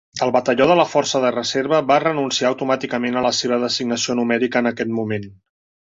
El batalló de la força de reserva va renunciar automàticament a la seva designació numèrica en aquest moment.